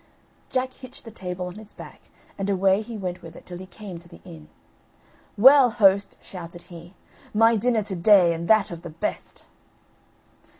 Jack hitched the table on his back, and away he went with it till he came to the inn. "Well, host," shouted he, "my dinner to day, and that of the best."